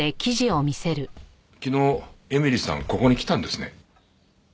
昨日絵美里さんここに来たんですね。